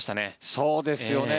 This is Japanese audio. そうですよね。